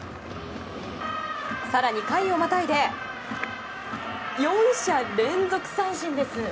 更に回をまたいで４者連続三振です。